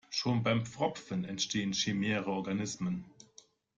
Schon beim Pfropfen entstehen chimäre Organismen.